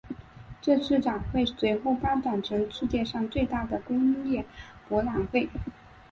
这次展会随后发展成世界上最大的工业博览会。